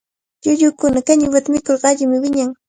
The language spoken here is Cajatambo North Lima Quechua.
Llullukuna kañiwata mikurqa allimi wiñan.